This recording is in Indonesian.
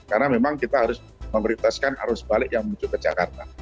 karena memang kita harus memberitaskan arus balik yang menuju ke jakarta